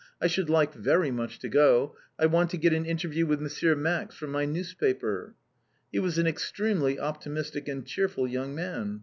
I should like very much to go. I want to get an interview with M. Max for my newspaper." He was an extremely optimistic and cheerful young man.